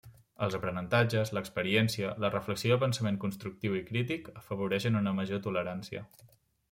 Els aprenentatges, l'experiència, la reflexió i el pensament constructiu i crític afavoreixen una major tolerància.